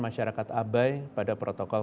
masyarakat abai pada protokol